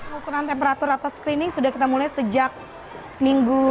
pengukuran temperatur atau screening sudah kita mulai sejak minggu